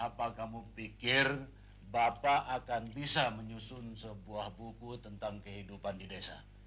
apa kamu pikir bapak akan bisa menyusun sebuah buku tentang kehidupan di desa